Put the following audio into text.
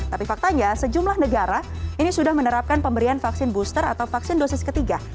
tapi faktanya sejumlah negara ini sudah menerapkan pemberian vaksin booster atau vaksin dosis ketiga